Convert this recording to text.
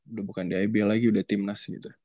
udah bukan di iba lagi udah timnas gitu